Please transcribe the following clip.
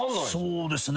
そうですね。